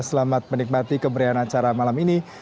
selamat menikmati keberian acara malam ini